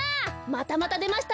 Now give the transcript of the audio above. またまたでました！